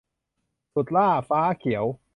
สุดหล้าฟ้าเขียว